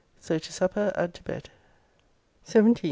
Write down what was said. So to supper and to bed. 17th.